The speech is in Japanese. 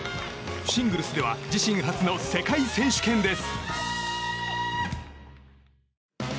シングルスでは自身初の世界選手権です。